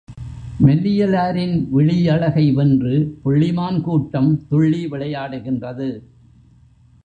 மெல்லியலாரின் விழியழகை வென்று, புள்ளிமான் கூட்டம் துள்ளி விளையாடுகின்றது.